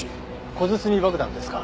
小包爆弾ですか。